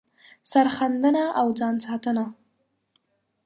سر ښندنه او ځان ساتنه